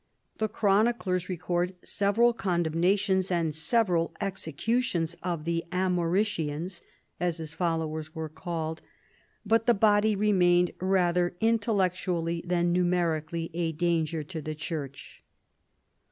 The chroniclers record several con demnations and several executions of the Amauricians, as his followers were called, but the body remained rather intellectually than numerically a danger to the church.